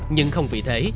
nhưng không vì thế